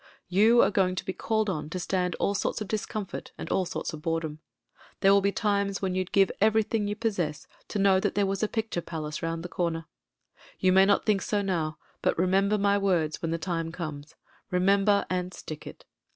You are going to be called on to stand all sorts of discomfort and all sorts of boredom; there will be times when you'd give everything you possess to know that there was a picture palace round the comer. You may not think so now, but remember my words when the time comes — remember, and stick it.